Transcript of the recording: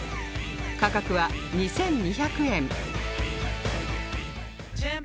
価格は２２００円